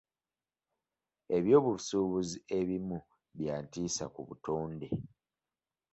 Eby'obusubuzi ebimu bya ntiisa ku butonde.